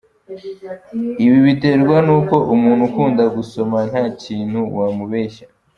Ibi biterwa n’uko, umuntu ukunda gusoma nta kintu wamubeshya.